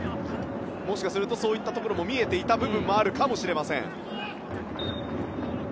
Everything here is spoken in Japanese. もしかするとそういったところも見えていた部分もあるかもしれません。